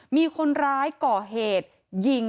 มีคนร้ายก่อเหตุยิง